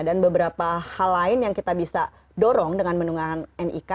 dan beberapa hal lain yang kita bisa dorong dengan mendukung nik